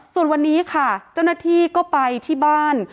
ส่วนวันนี้ค่ะเจ้าหน้าที่ก็ไปที่บ้าน